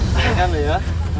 gak ada ya